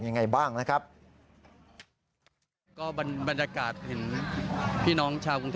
เราก็อยากเป็นส่วนหนึ่ง